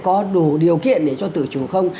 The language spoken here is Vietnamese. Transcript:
có đủ điều kiện để cho tự chủ không